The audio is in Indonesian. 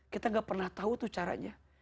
kita gak pernah tahu tuh caranya